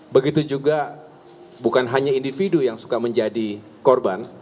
begitu juga bukan hanya individu yang suka menjadi korban